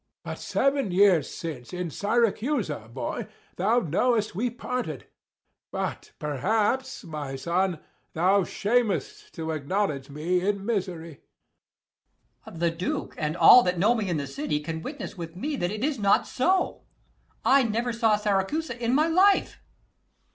_ But seven years since, in Syracusa, boy, Thou know'st we parted: but perhaps, my son, 320 Thou shamest to acknowledge me in misery. Ant. E. The Duke and all that know me in the city Can witness with me that it is not so: I ne'er saw Syracusa in my life. _Duke.